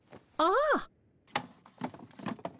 ああ。